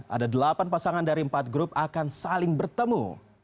ada delapan pasangan dari empat grup akan saling bertemu